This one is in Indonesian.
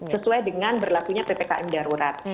sesuai dengan berlakunya ppkm darurat